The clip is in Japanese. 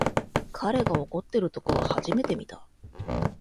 彼が怒ってるところ初めて見た